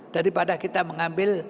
daripada kita mengambil